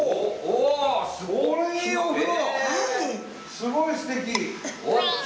すごいすてき！